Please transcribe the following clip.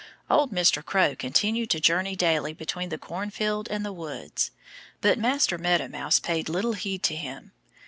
Old Mr. Crow continued to journey daily between the cornfield and the woods. But Master Meadow Mouse paid little heed to him.